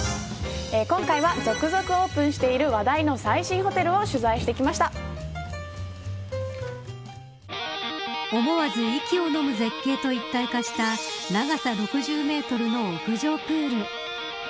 今回は、続々オープンしている話題の最新ホテルを思わず息をのむ絶景と一体化した長さ６０メートルの屋上プール。